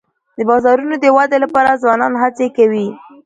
د بازارونو د ودي لپاره ځوانان هڅې کوي.